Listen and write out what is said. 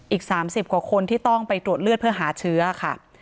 อีก๓๐กว่าคนที่ต้องไปตรวจเลือดเพื่อหาเชื้อค่ะ